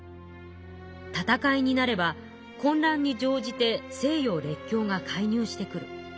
戦いになれば混らんに乗じて西洋列強が介入してくる。